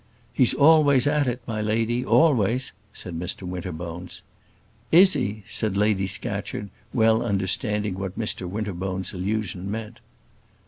"He's always at it, my lady, always," said Mr Winterbones. "Is he?" said Lady Scatcherd, well understanding what Mr Winterbones's allusion meant.